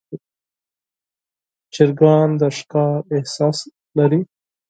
چرګان د ښکار احساس لري.